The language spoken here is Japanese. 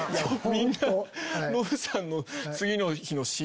みんなノブさんの次の日のシーン